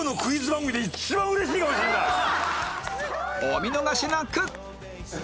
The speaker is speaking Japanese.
お見逃しなく！